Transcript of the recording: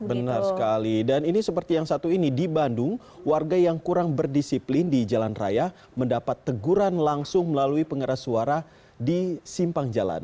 benar sekali dan ini seperti yang satu ini di bandung warga yang kurang berdisiplin di jalan raya mendapat teguran langsung melalui pengeras suara di simpang jalan